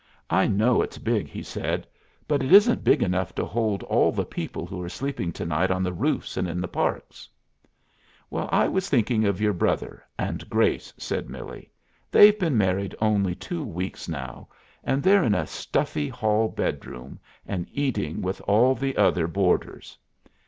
"I know it's big," he said, "but it isn't big enough to hold all the people who are sleeping to night on the roofs and in the parks." "I was thinking of your brother and Grace," said Millie. "They've been married only two weeks now, and they're in a stuffy hall bedroom and eating with all the other boarders.